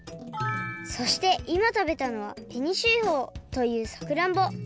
そしていまたべたのは紅秀峰というさくらんぼ。